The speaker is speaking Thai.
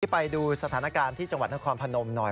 ไปดูสถานการณ์ที่จังหวัดนครพนมหน่อย